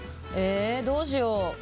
どうしよう。